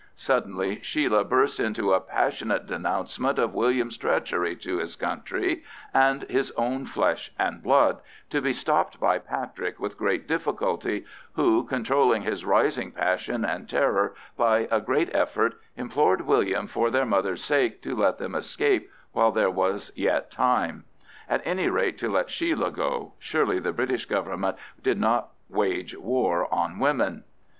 Suddenly Sheila burst into a passionate denouncement of William's treachery to his country and his own flesh and blood, to be stopped by Patrick with great difficulty, who, controlling his rising passion and terror by a great effort, implored William for their mother's sake to let them escape while there was yet time. At any rate to let Sheila go—surely the British Government did not wage war on women.